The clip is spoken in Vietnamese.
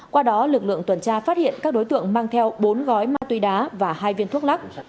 qua đó lực lượng tuần tra phát hiện các đối tượng mang theo bốn gói ma túy đá và hai viên thuốc lắc